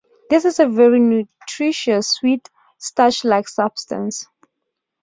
This is a very nutritious sweet starchlike substance.